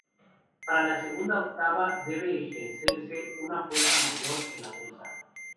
Para la segunda octava debe ejercerse una fuerza mayor en la bolsa.